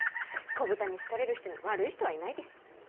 子ブタに好かれる人に悪い人はいないです。